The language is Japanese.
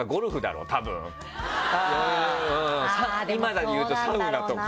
今でいうとサウナとか。